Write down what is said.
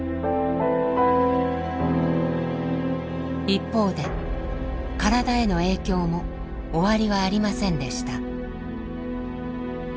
一方で体への影響も終わりはありませんでした。